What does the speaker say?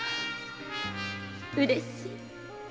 うれしい。